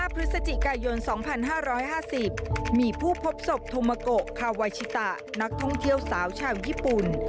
พฤศจิกายน๒๕๕๐มีผู้พบศพโทมาโกคาวาชิตะนักท่องเที่ยวสาวชาวญี่ปุ่น